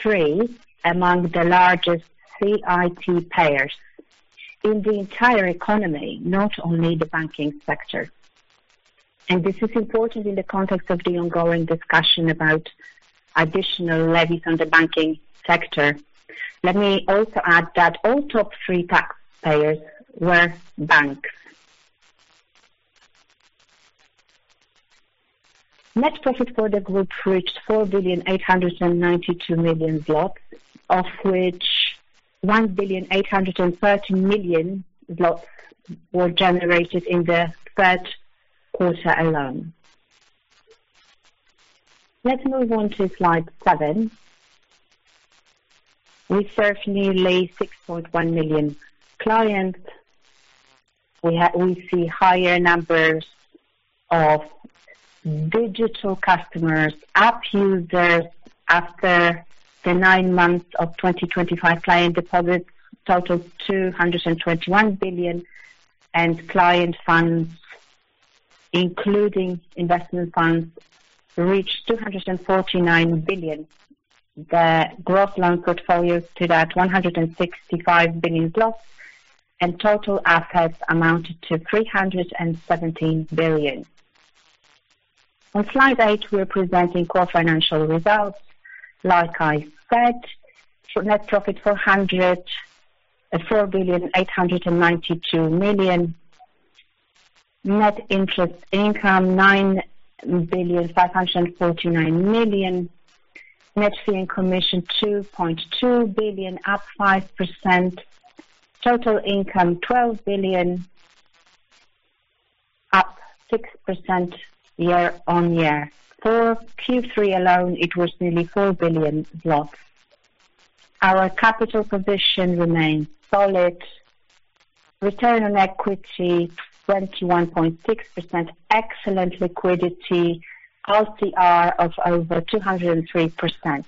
Three among the largest CIT payers in the entire economy, not only banking sector. This is important in the context of the ongoing discussion about additional levies on the bank sector. Let me also add that all top three taxpayers were banks. Net profit for the group reached 4.892 billion, of which 1.813 billion were generated in the third quarter alone. Let's move on to slide seven. We serve nearly 6.1 million clients. We see higher numbers of digital customers, app users, after the nine months of 2023. Client deposits totaled 221 billion, and client funds, including investment funds, reached 249 billion. The gross loan portfolios stood at 165 billion, and total assets amounted to 317 billion. On slide eight, we're presenting core financial results. Like I said, net profit 4.892 billion. Net interest income 9.549 billion. Net fee and commission 2.2 billion, up 5%. Total income 12 billion, up 6% year on year. For Q3 alone, it was nearly 4 billion. Our capital position remains solid. Return on equity 21.6%. Excellent liquidity. Liquidity coverage ratio of over 203%.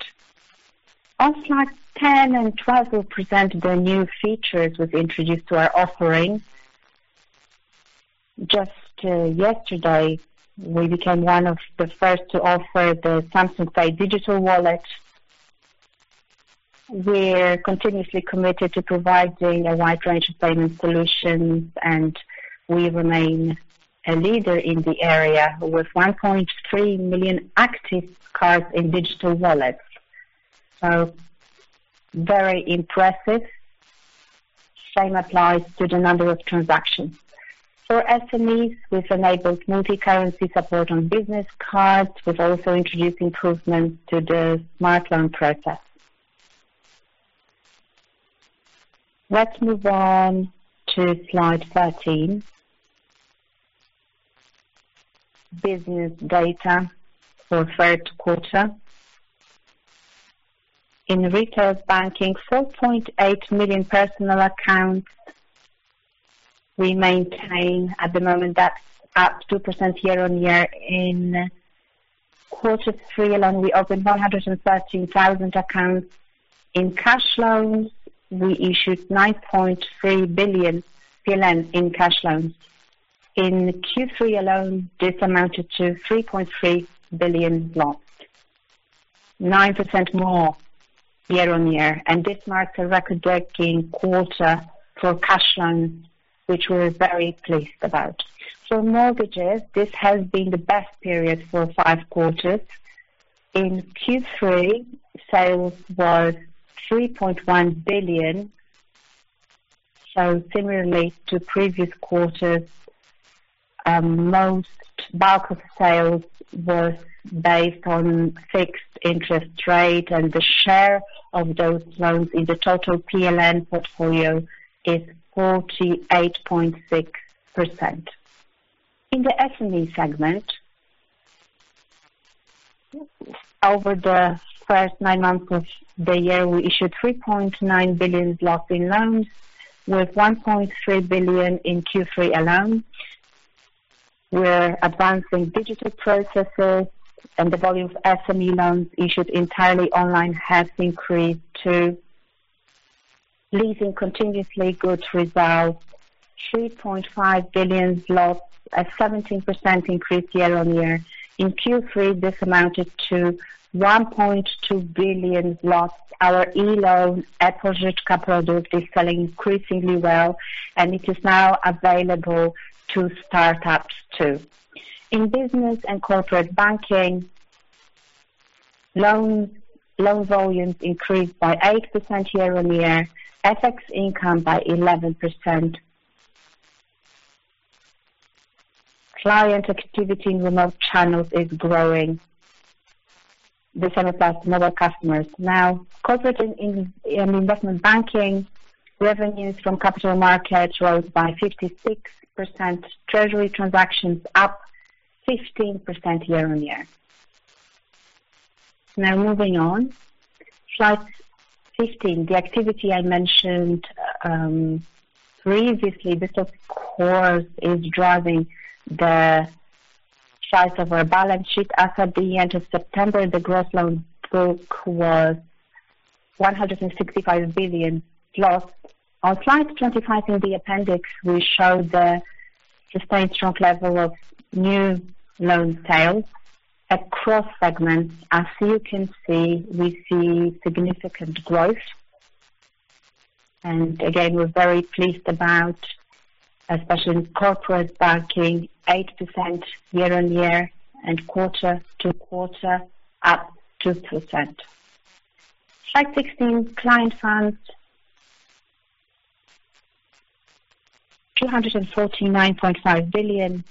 On slide 10 and 12, we'll present the new features we've introduced to our offering. Just yesterday, we became one of the first to offer the Samsung Pay digital wallet. We're continuously committed to providing a wide range of payment solutions, and we remain a leader in the area with 1.3 million active cards in digital wallets. Very impressive. The same applies to the number of transactions. For SMEs, we've enabled multi-currency support on business cards. We've also introduced improvements to the smart loan process. Let's move on to slide 13. Business data for third quarter. In retail banking, 4.8 million personal accounts we maintain at the moment. That's up 2% year on year. In quarter three alone, we opened 113,000 accounts. In cash loans, we issued 9.3 billion PLN in cash loans. In Q3 alone, this amounted to 3.3 billion, 9% more year on year. This marks a record-breaking quarter for cash loans, which we're very pleased about. For mortgages, this has been the best period for five quarters. In Q3, sales was 3.1 billion. Similarly to previous quarters, most bulk of sales was based on fixed interest rate, and the share of those loans in the total PLN portfolio is 48.6%. In the SME segment, over the first nine months of the year, we issued 3.9 billion in loans with 1.3 billion in Q3 alone. We're advancing digital processes, and the volume of SME loans issued entirely online has increased too. Leasing continuously good results. 3.5 billion, a 17% increase year on year. In Q3, this amounted to 1.2 billion. Our e-loan Požerčka product is selling increasingly well, and it is now available to startups too. In business and corporate banking, loan volumes increased by 8% year on year. FX income by 11%. Client activity in remote channels is growing. The same applies to mobile customers. Now, corporate and investment banking revenues from capital markets rose by 56%. Treasury transactions up 15% year on year. Now moving on. Slide 15. The activity I mentioned previously, this, of course, is driving the size of our balance sheet. As at the end of September, the gross loan book was 165 billion. On slide 25 in the appendix, we show the sustained strong level of new loan sales across segments. As you can see, we see significant growth. We're very pleased about, especially in corporate banking, 8% year on year and quarter to quarter up 2%. Slide 16. Client funds. 249.5 billion.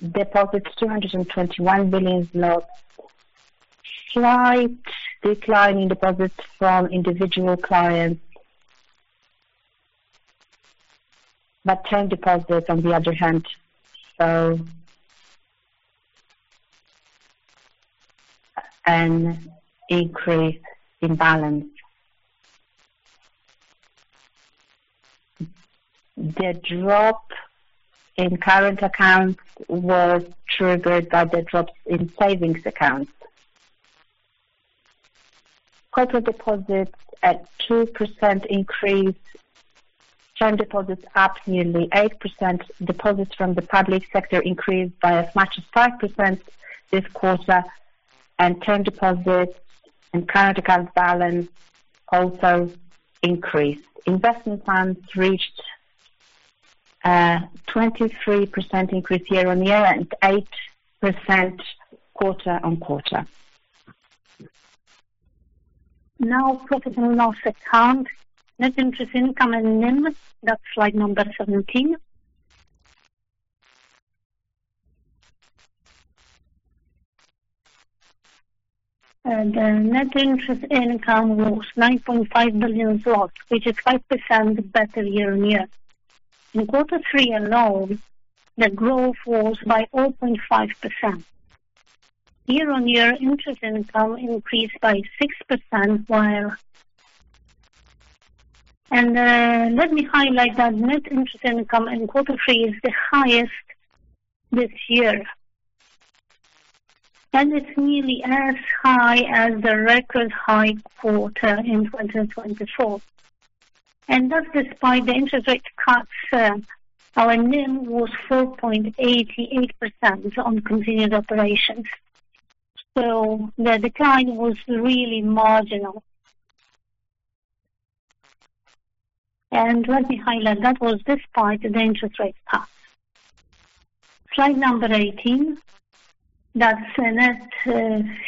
Deposits 221 billion. Slight decline in deposits from individual clients. Term deposits, on the other hand, show an increase in balance. The drop in current accounts was triggered by the drops in savings accounts. Corporate deposits at 2% increase. Term deposits up nearly 8%. Deposits from the public sector increased by as much as 5% this quarter. Term deposits and current account balance also increased. Investment funds reached a 23% increase year on year and 8% quarter on quarter. Now, profit and loss account. Net interest income and NIM. That's slide number 17. The net interest income was PLN 9.5 billion, which is 5% better year on year. In quarter three alone, the growth was by 0.5%. Year on year, interest income increased by 6%. Let me highlight that net interest income in quarter three is the highest this year. It's nearly as high as the record high quarter in 2024. That's despite the interest rate cuts. Our NIM was 4.88% on continued operations. The decline was really marginal. Let me highlight that was despite the interest rate cuts. Slide number 18. That's net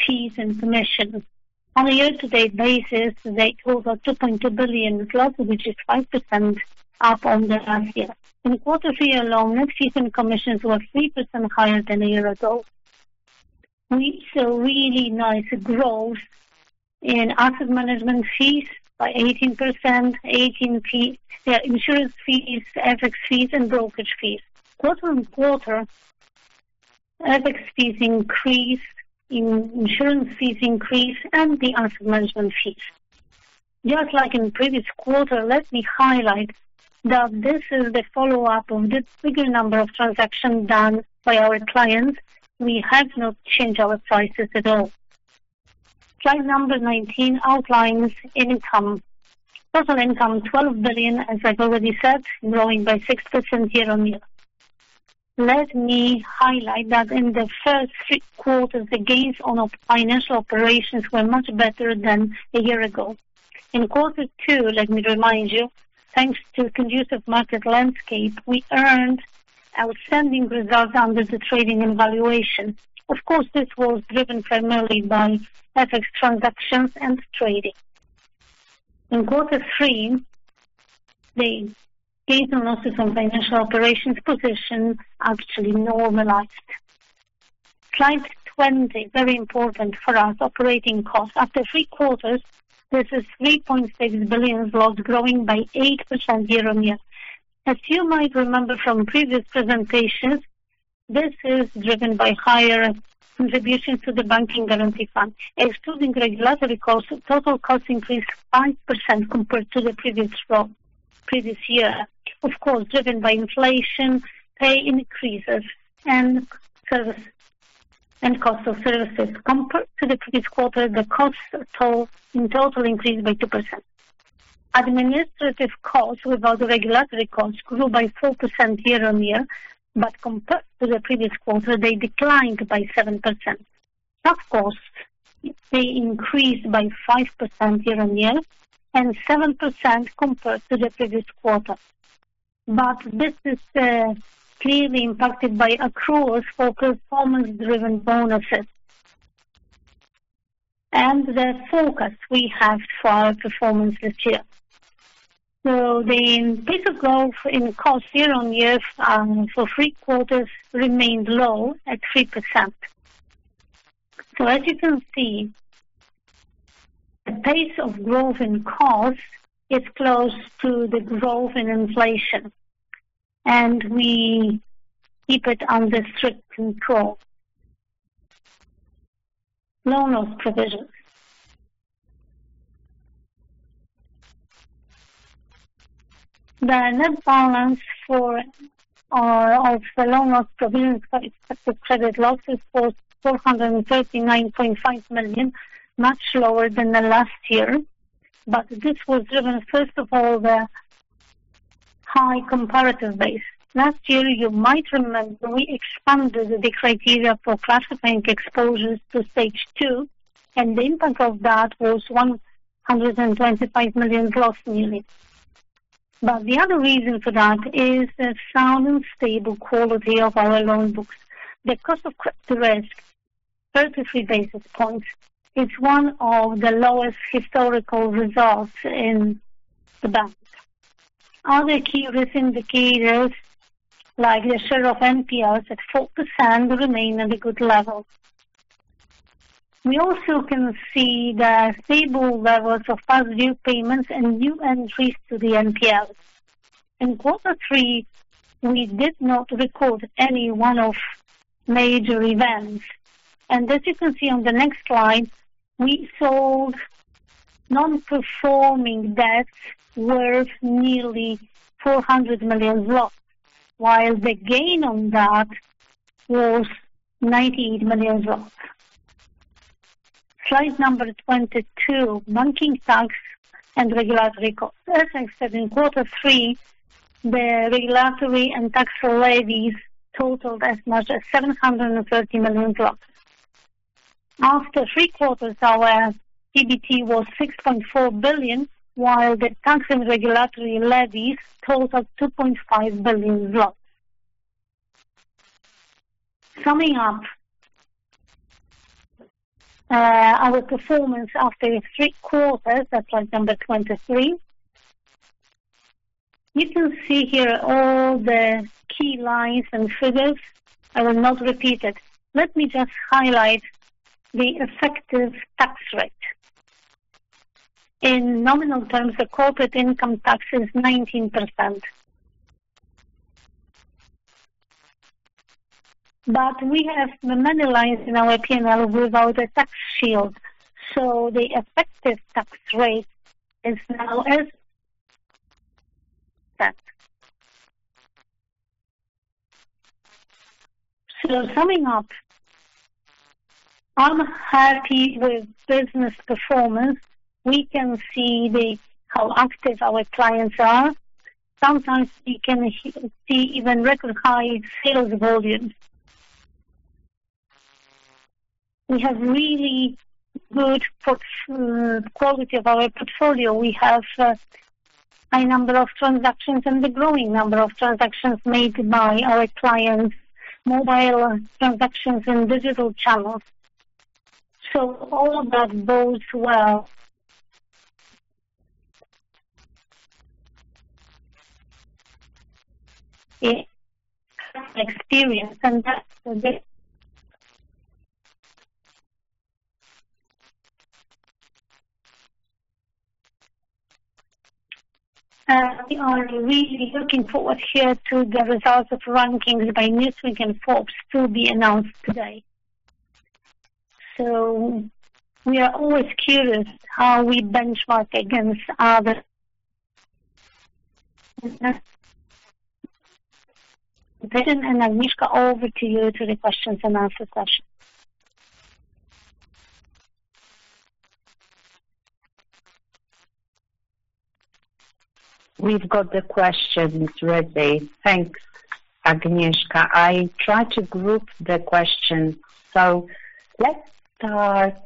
fees and commissions. On a year-to-date basis, they total 2.2 billion, which is 5% up on the last year. In quarter three alone, net fees and commissions were 3% higher than a year ago. We saw really nice growth in asset management fees by 18%. Yeah, insurance fees, FX fees, and brokerage fees. Quarter on quarter, FX fees increased, insurance fees increased, and the asset management fees. Just like in the previous quarter, let me highlight that this is the follow-up of the bigger number of transactions done by our clients. We have not changed our prices at all. Slide number 19 outlines income. Total income 12 billion, as I've already said, growing by 6% year on year. Let me highlight that in the first three quarters, the gains on financial operations were much better than a year ago. In quarter two, let me remind you, thanks to a conducive market landscape, we earned outstanding results under the trading and valuation. Of course, this was driven primarily by FX transactions and trading. In quarter three, the gains and losses on financial operations position actually normalized. Slide 20, very important for us, operating costs. After three quarters, this is 3.6 billion, growing by 8% year on year. As you might remember from previous presentations, this is driven by higher contributions to the banking guarantee fund. Excluding regulatory costs, total costs increased 5% compared to the previous year. Of course, driven by inflation, pay increases, and cost of services. Compared to the previous quarter, the costs in total increased by 2%. Administrative costs without regulatory costs grew by 4% year on year, but compared to the previous quarter, they declined by 7%. Tough costs, they increased by 5% year on year and 7% compared to the previous quarter. This is clearly impacted by accruals for performance-driven bonuses and the focus we have for our performance this year. The pace of growth in costs year on year for three quarters remained low at 3%. As you can see, the pace of growth in costs is close to the growth in inflation. We keep it under strict control. Loan loss provisions. The net balance for all of the loan loss provisions for expected credit losses was 439.5 million, much lower than the last year. This was driven, first of all, by the high comparative base. Last year, you might remember, we expanded the criteria for classifying exposures to stage two, and the impact of that was 125 million nearly. The other reason for that is the sound and stable quality of our loan books. The cost of credit risk, 33 basis points, is one of the lowest historical results in the bank. Other key risk indicators, like the share of NPLs at 4%, remain at a good level. We also can see the stable levels of past due payments and new entries to the NPLs. In quarter three, we did not record any one of major events. As you can see on the next slide, we sold non-performing debts worth nearly 400 million zloty, while the gain on that was 98 million zloty. Slide number 22, banking tax and regulatory costs. As I said, in quarter three, the regulatory and tax levies totaled as much as 730 million. After three quarters, our EBT was 6.4 billion, while the tax and regulatory levies totaled 2.5 billion. Summing up our performance after three quarters, that's slide number 23. You can see here all the key lines and figures. I will not repeat it. Let me just highlight the effective tax rate. In nominal terms, the CIT is 19%. We have memorialized in our P&L without a tax shield. The effective tax rate is now as that. Summing up, I'm happy with business performance. We can see how active our clients are. Sometimes we can see even record high sales volumes. We have really good quality of our portfolio. We have a high number of transactions and a growing number of transactions made by our clients, mobile transactions and digital channels. All of that bodes well. We are really looking forward here to the results of rankings by Newsweek and Forbes to be announced today. We are always curious how we benchmark against others. I'll hand over to you to the questions and answer session. We've got the questions ready. Thanks, Agnieszka. I tried to group the questions. Let's start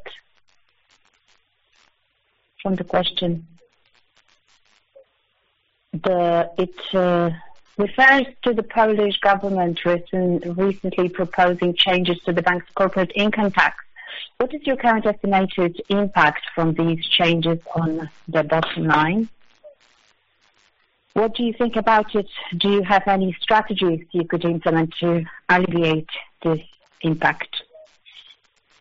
from the question. It refers to the Polish government recently proposing changes to the bank's CIT. What is your current estimated impact from these changes on the bottom line? What do you think about it? Do you have any strategies you could implement to alleviate this impact?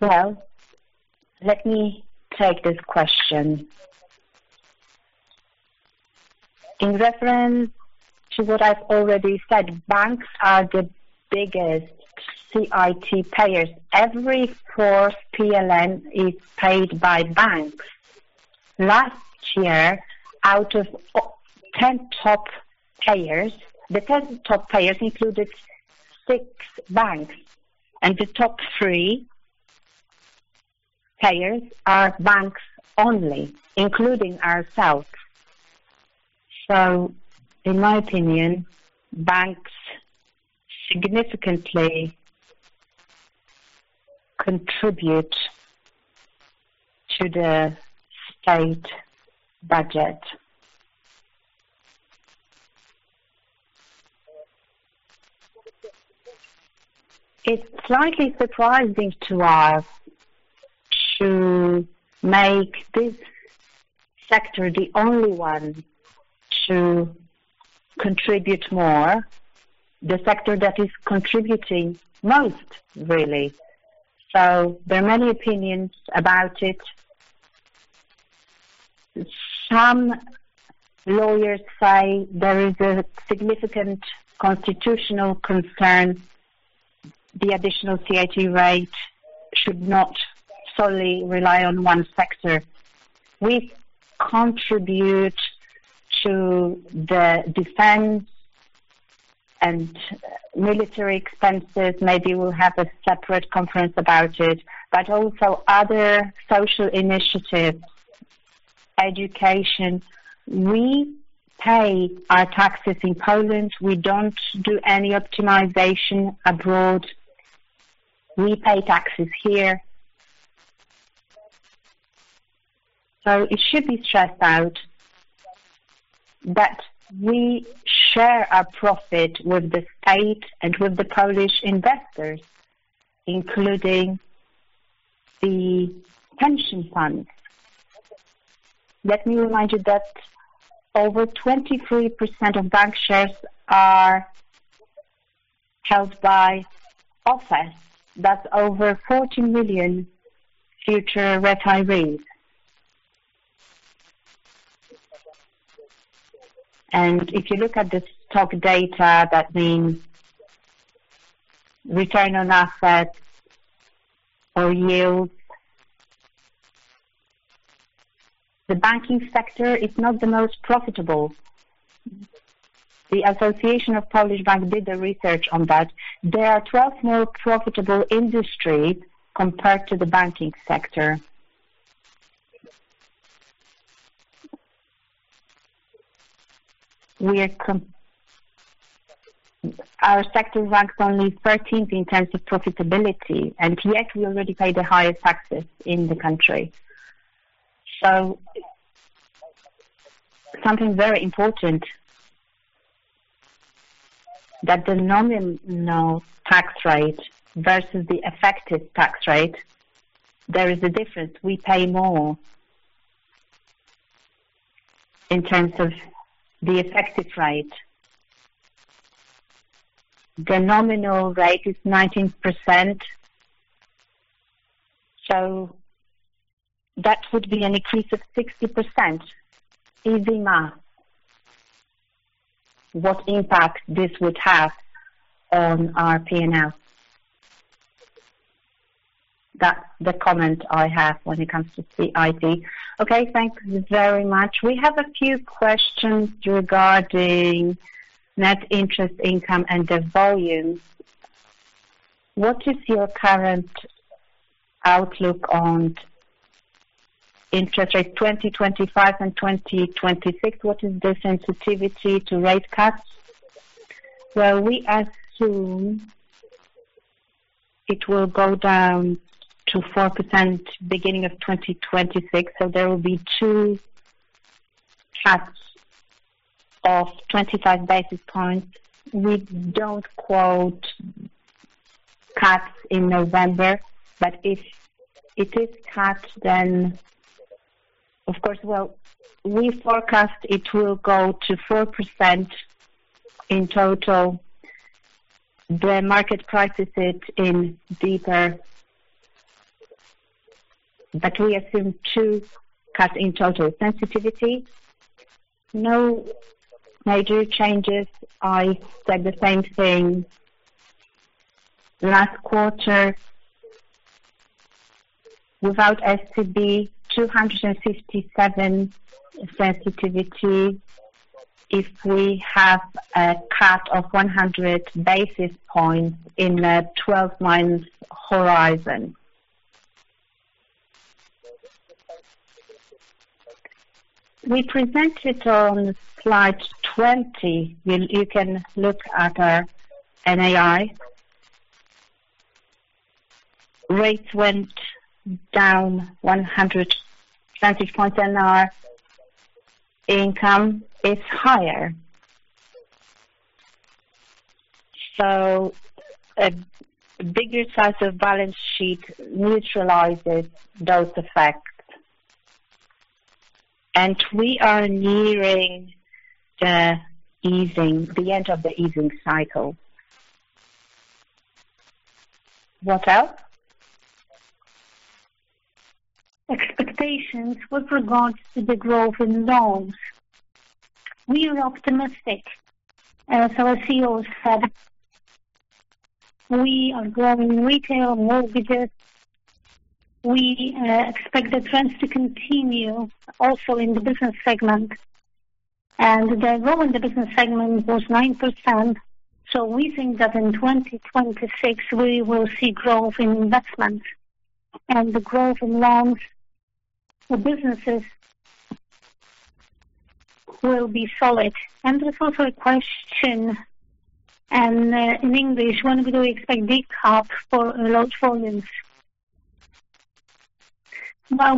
Let me take this question. In reference to what I've already said, banks are the biggest CIT payers. Every fourth PLN is paid by banks. Last year, out of the 10 top payers, the 10 top payers included six banks, and the top three payers are banks only, including ourselves. In my opinion, banks significantly contribute to the state budget. It's slightly surprising to us to make this sector the only one to contribute more, the sector that is contributing most, really. There are many opinions about it. Some lawyers say there is a significant constitutional concern. The additional CIT rate should not solely rely on one sector. We contribute to the defense and military expenses. Maybe we'll have a separate conference about it, but also other social initiatives, education. We pay our taxes in Poland. We don't do any optimization abroad. We pay taxes here. It should be stressed out that we share our profit with the state and with the Polish investors, including the pension funds. Let me remind you that over 23% of bank shares are held by OFEs. That's over 14 million future retirees. If you look at the stock data, that means return on assets or yields. The banking sector is not the most profitable. The Association of Polish Banks did the research on that. There are 12 more profitable industries compared to the banking sector. Our sector ranks only 13th in terms of profitability, and yet we already pay the highest taxes in the country. Something very important, that the nominal tax rate versus the effective tax rate, there is a difference. We pay more in terms of the effective rate. The nominal rate is 19%. That would be an increase of 60%. Easy math. What impact this would have on our P&L? That's the comment I have when it comes to CIT. Okay. Thanks very much. We have a few questions regarding net interest income and the volumes. What is your current outlook on interest rate 2025 and 2026? What is the sensitivity to rate cuts? We assume it will go down to 4% beginning of 2026. There will be two cuts of 25 basis points. We don't quote cuts in November, but if it is cut, then, of course, we forecast it will go to 4% in total. The market prices it in deeper, but we assume two cuts in total. Sensitivity, no major changes. I said the same thing last quarter, without SCB, 257 sensitivity if we have a cut of 100 basis points in a 12-month horizon. We presented on slide 20. You can look at our NAI. Rates went down 100 basis points, and our income is higher. A bigger size of balance sheet neutralizes those effects. We are nearing the end of the easing cycle. What else? Expectations with regards to the growth in loans. We are optimistic, as our CEO said. We are growing in retail mortgages. We expect the trends to continue also in the business segment. The growth in the business segment was 9%. We think that in 2026, we will see growth in investments. The growth in loans for businesses will be solid. There is also a question, and in English, when do we expect decap for loan volumes?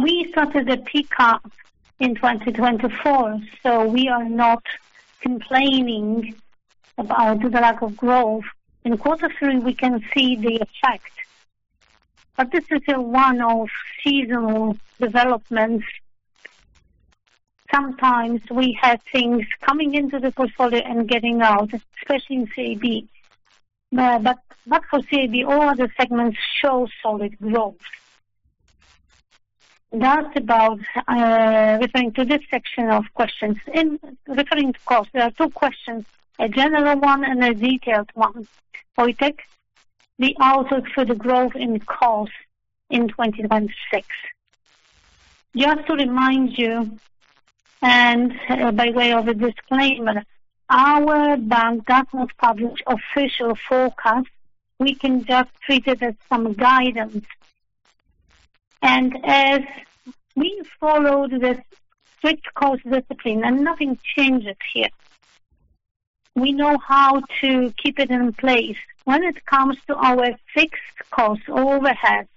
We started the peak up in 2024, so we are not complaining about the lack of growth. In quarter three, we can see the effect. This is a one-off seasonal development. Sometimes we had things coming into the portfolio and getting out, especially in CAB, but for CAB, all other segments show solid growth. That is about referring to this section of questions. In referring to cost, there are two questions, a general one and a detailed one. Wojciech. The outlook for the growth in cost in 2026. Just to remind you, and by way of a disclaimer, our bank does not publish official forecasts. We can just treat it as some guidance. As we followed this strict cost discipline, and nothing changes here, we know how to keep it in place. When it comes to our fixed cost overhead,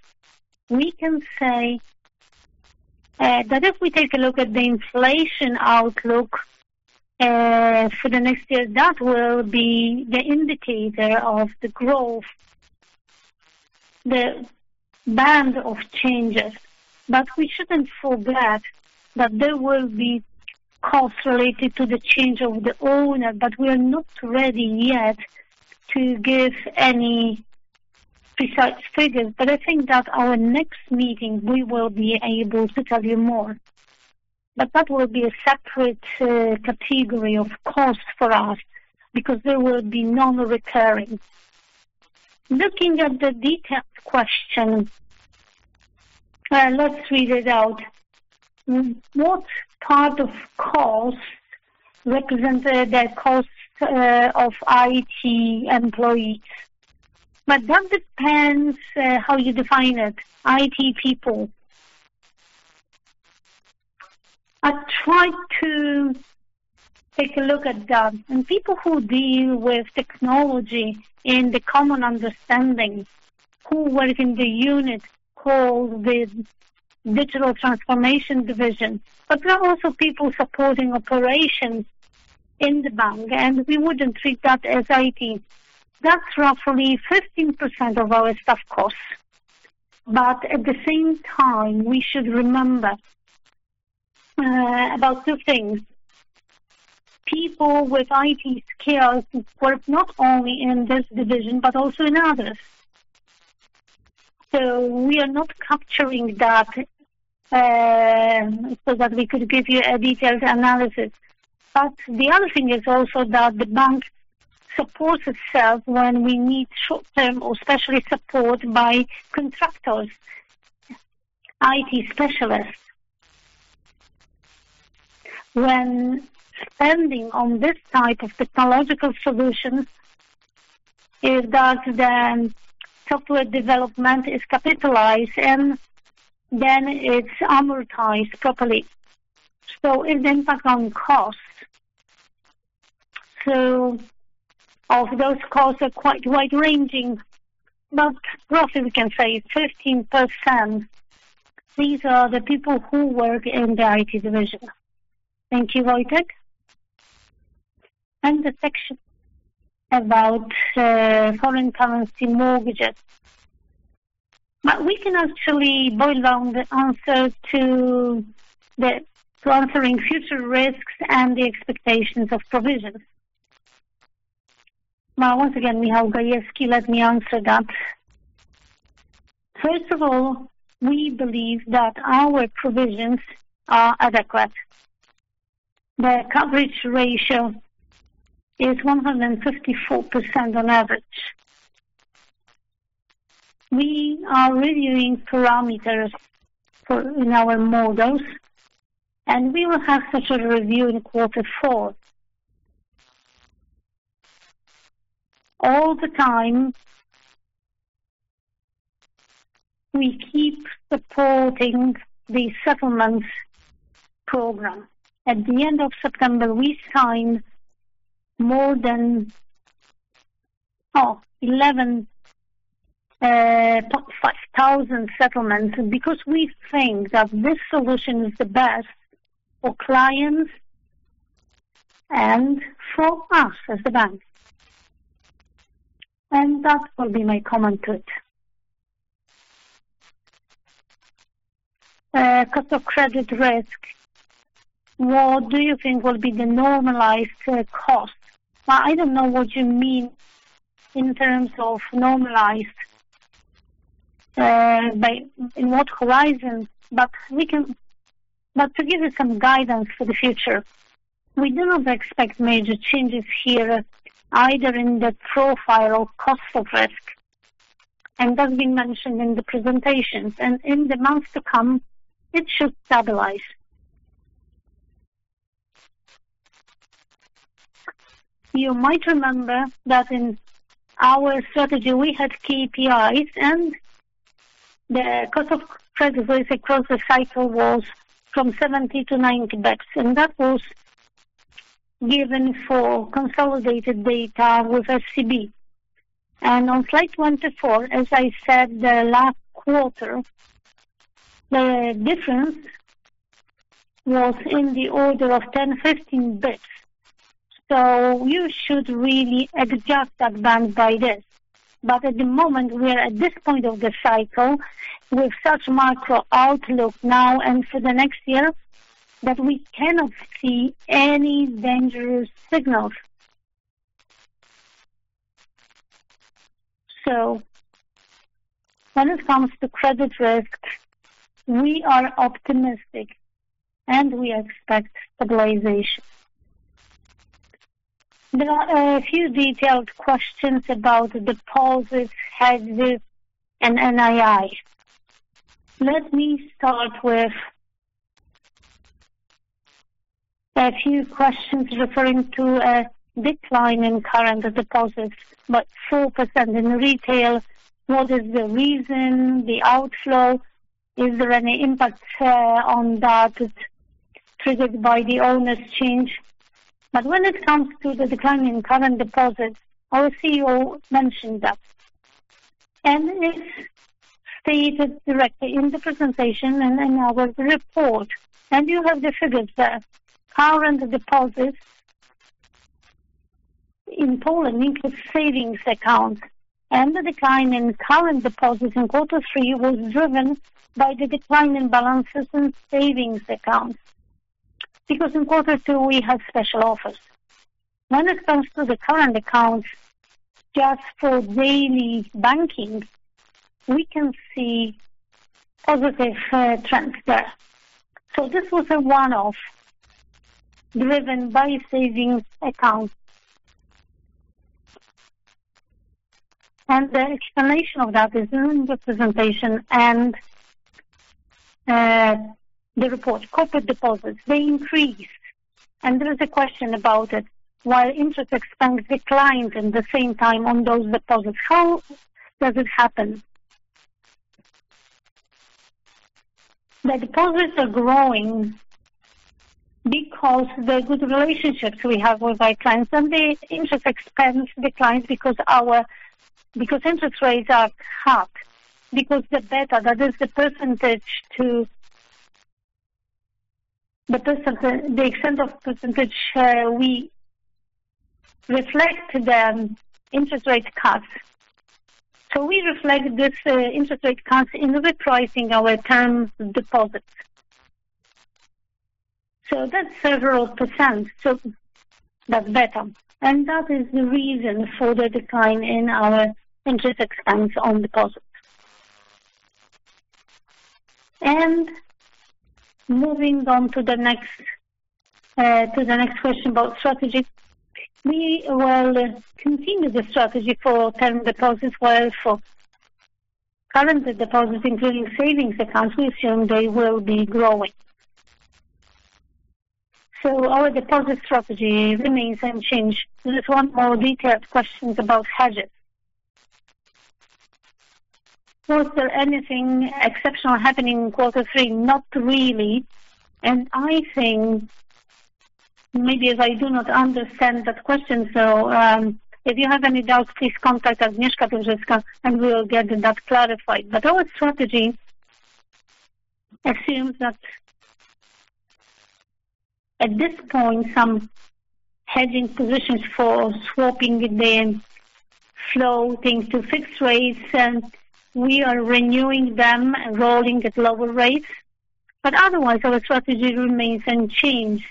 we can say that if we take a look at the inflation outlook for the next year, that will be the indicator of the growth, the band of changes. We should not forget that there will be costs related to the change of the owner, but we are not ready yet to give any precise figures. I think that at our next meeting, we will be able to tell you more. That will be a separate category of cost for us because there will be non-recurring. Looking at the detailed question, let's read it out. What part of costs represent the costs of IT employees? That depends how you define it. IT people. I tried to take a look at that. People who deal with technology in the common understanding, who work in the unit called the Digital Transformation Division, but there are also people supporting operations in the bank, and we would not treat that as IT. That is roughly 15% of our staff costs. At the same time, we should remember about two things. People with IT skills work not only in this division, but also in others. We are not capturing that so that we could give you a detailed analysis. The other thing is also that the bank supports itself when we need short-term or specialty support by contractors, IT specialists. When spending on this type of technological solution, if that software development is capitalized, then it's amortized properly. The impact on costs, so those costs are quite wide-ranging, but roughly we can say 15%. These are the people who work in the IT division. Thank you, Wojciech. The section about foreign currency mortgages. We can actually boil down the answer to answering future risks and the expectations of provisions. Once again, Michał Gajewski, let me answer that. First of all, we believe that our provisions are adequate. Their coverage ratio is 154% on average. We are reviewing parameters in our models, and we will have such a review in quarter four. All the time, we keep supporting the settlements program. At the end of September, we signed more than 11.5 thousand settlements because we think that this solution is the best for clients and for us as the bank. That will be my comment to it. Cost of credit risk, what do you think will be the normalized cost? I don't know what you mean in terms of normalized, in what horizon, but to give you some guidance for the future, we do not expect major changes here either in the profile or cost of risk. That's been mentioned in the presentations. In the months to come, it should stabilize. You might remember that in our strategy, we had KPIs, and the cost of credit risk across the cycle was from 70 to 90 basis points. That was given for consolidated data with SCB. On slide 24, as I said, the last quarter, the difference was in the order of 10, 15 basis points. You should really adjust that band by this. At the moment, we are at this point of the cycle with such a macro outlook now and for the next year that we cannot see any dangerous signals. When it comes to credit risk, we are optimistic, and we expect stabilization. There are a few detailed questions about deposits, hedges, and NII. Let me start with a few questions referring to a decline in current deposits, but 4% in retail. What is the reason, the outflow? Is there any impact on that triggered by the owner's change? When it comes to the decline in current deposits, our CEO mentioned that. It's stated directly in the presentation and in our report. You have the figures there. Current deposits in Poland include savings accounts. The decline in current deposits in quarter three was driven by the decline in balances in savings accounts. In quarter two, we had special offers. When it comes to the current accounts, just for daily banking, we can see positive trends there. This was a one-off driven by savings accounts. The explanation of that is in the presentation and the report. Corporate deposits increased. There is a question about it. While interest expense declined at the same time on those deposits, how does it happen? The deposits are growing because of the good relationships we have with our clients, and the interest expense declines because our interest rates are cut. The beta, that is the percentage to the extent of % we reflect the interest rate cuts. We reflect these interest rate cuts in repricing our term deposits. That's several %. That's beta. That is the reason for the decline in our interest expense on deposits. Moving on to the next question about strategy, we will continue the strategy for term deposits. For current deposits, including savings accounts, we assume they will be growing. Our deposit strategy remains unchanged. There's one more detailed question about hedges. Was there anything exceptional happening in quarter three? Not really. I think maybe as I do not understand that question, if you have any doubts, please contact Agnieszka Dowżycka, and we will get that clarified. Our strategy assumes that at this point, some hedging positions for swapping the floating to fixed rates, and we are renewing them, rolling at lower rates. Otherwise, our strategy remains unchanged.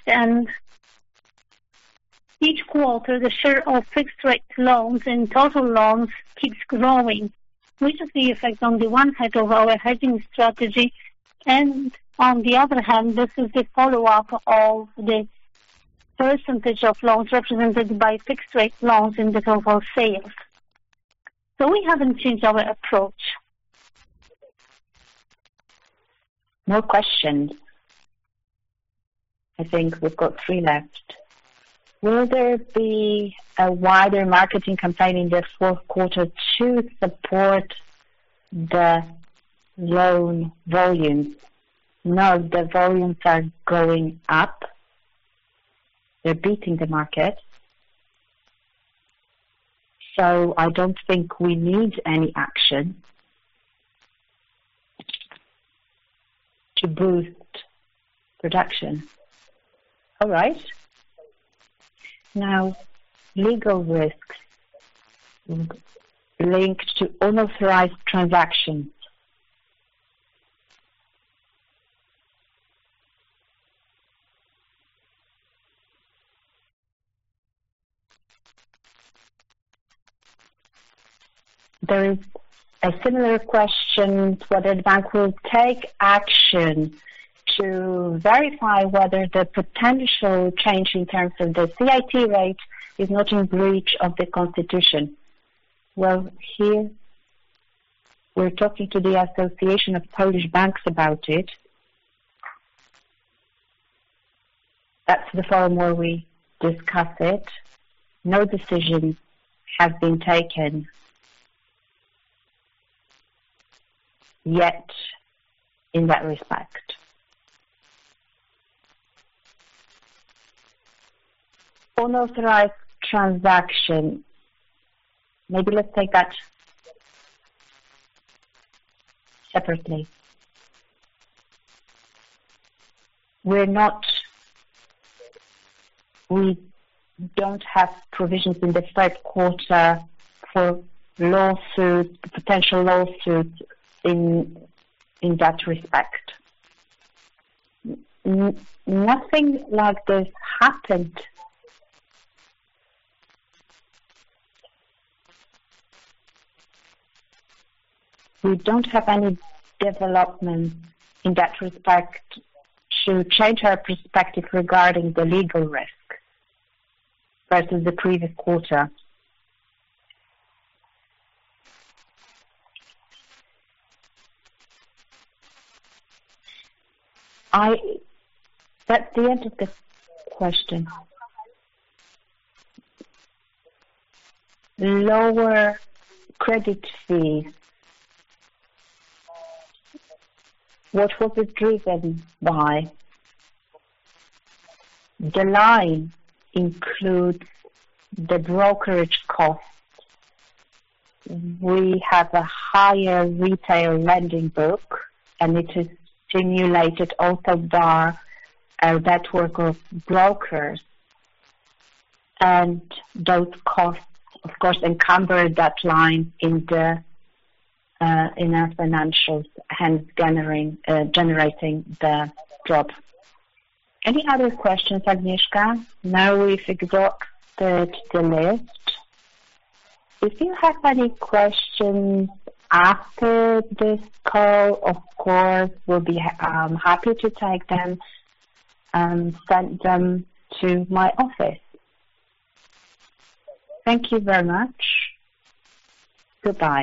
Each quarter, the share of fixed-rate loans in total loans keeps growing, which is the effect on the one hand of our hedging strategy. On the other hand, this is the follow-up of the % of loans represented by fixed-rate loans in the total sales. We haven't changed our approach. More questions. I think we've got three left. Will there be a wider marketing campaign in the fourth quarter to support the loan volumes? No, the volumes are going up. They're beating the market. I don't think we need any action to boost production. All right. Now, legal risks linked to unauthorized transactions. There is a similar question to whether the bank will take action to verify whether the potential change in terms of the CIT rate is not in breach of the Constitution. Here we're talking to the Association of Polish Banks about it. That's the forum where we discuss it. No decisions have been taken yet in that respect. Unauthorized transactions, maybe let's take that separately. We don't have provisions in the third quarter for lawsuits, potential lawsuits in that respect. Nothing like this happened. We don't have any developments in that respect to change our perspective regarding the legal risk versus the previous quarter. That's the end of the question. Lower credit fees. What was it driven by? The line includes the brokerage costs. We have a higher retail lending book, and it is stimulated also by a network of brokers. Those costs, of course, encumber that line in our financials, hence generating the drop. Any other questions, Agnieszka? Now we've exhausted the list. If you have any questions after this call, of course, we'll be happy to take them and send them to my office. Thank you very much. Goodbye.